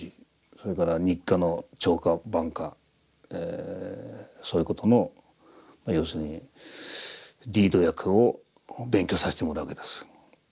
それから日課の朝課・晩課そういうことの要するにリード役を勉強させてもらうわけです。